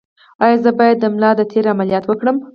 ایا زه باید د ملا د تیر عملیات وکړم؟